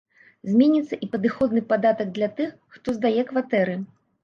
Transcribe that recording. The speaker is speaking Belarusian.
Зменіцца і падаходны падатак для тых, хто здае кватэры.